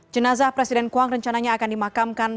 jenazah presiden kuang rencananya akan dimakamkan